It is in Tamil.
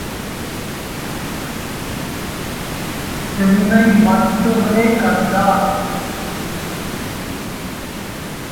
பெண்ணை மட்டுமே கண்டாள்.